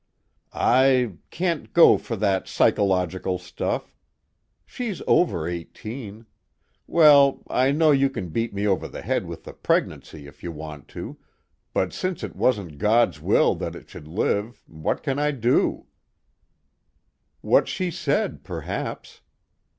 "I can't go for that psychological stuff. She's over eighteen. Well, I know, you can beat me over the head with the pregnancy if you want to, but since it wasn't God's will that it should live, what can I do?" "What she said, perhaps."